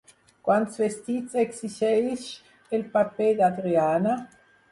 Quants vestits exigeix el paper d'Adriana?